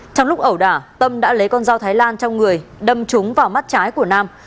trong lúc ẩu đả tâm đã lấy con dao thái lan trong người đâm trúng vào mắt trái của nam